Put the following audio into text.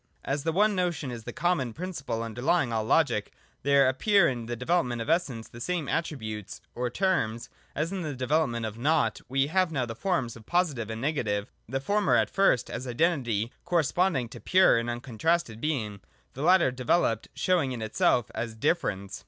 As the one notion is the common principle underlying all logic, there appear in the development of Essence the same attributes or terms as in the development of Being, but in a reflex form. Instead of Being and Nought we have now the forms of Positive and Nega tive ; the former at first as Identity corresponding to pure and uncontrasted Being, the latter developed (showing in itself) as Difference.